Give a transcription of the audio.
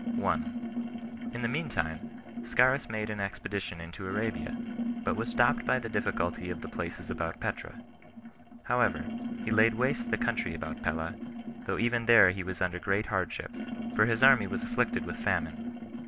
1. In the mean time, Scaurus made an expedition into Arabia, but was stopped by the difficulty of the places about Petra. However, he laid waste the country about Pella, though even there he was under great hardship; for his army was afflicted with famine.